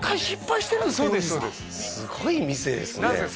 すごい店ですね